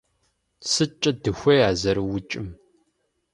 СыткӀэ дыхуей а зэрыукӀым?